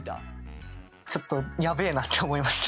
ちょっとやべえなって思いました。